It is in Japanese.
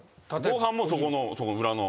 ご飯もそこの裏の。